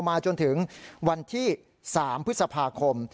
มาจนถึงวันที่๓พฤษภาคม